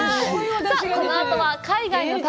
このあとは海外の旅。